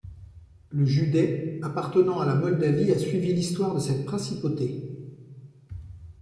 Le județ, appartenant à la Moldavie a suivi l'histoire de cette principauté.